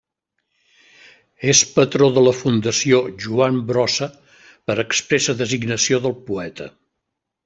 És patró de la Fundació Joan Brossa per expressa designació del poeta.